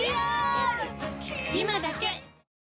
今だけ！